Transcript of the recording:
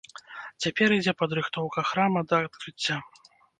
Цяпер ідзе падрыхтоўка храма да адкрыцця.